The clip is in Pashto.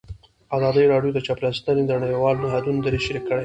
ازادي راډیو د چاپیریال ساتنه د نړیوالو نهادونو دریځ شریک کړی.